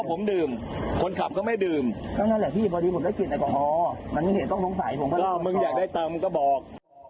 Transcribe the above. ผมก็มึงอยากได้ตามมึงก็บอก